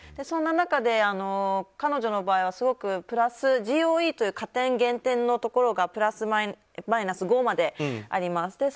そんな中で、彼女の場合はすごくプラス、ＧＯＥという加点、減点のところがプラスマイナス５まであります。